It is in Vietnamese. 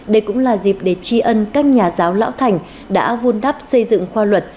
đây cũng là dịp để tri ân các nhà giáo lão thành đã vun đắp xây dựng khoa luật